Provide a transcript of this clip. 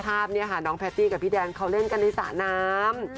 ภาพเนี่ยค่ะน้องแพตตี้กับพี่แดนเขาเล่นกันในสระน้ำ